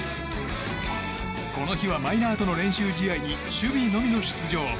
この日はマイナーとの練習試合に守備のみの出場。